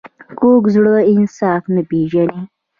کوږ زړه انصاف نه پېژني